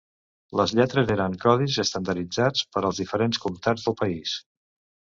Les lletres eren codis estandarditzats per als diferents comtats del país.